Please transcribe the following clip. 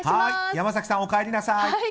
山崎さん、おかえりなさい。